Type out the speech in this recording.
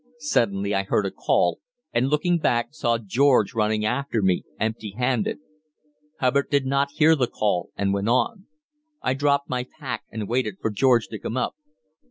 Suddenly I heard a call, and, looking back, saw George running after me, empty handed. Hubbard did not hear the call, and went on. I dropped my pack, and waited for George to come up.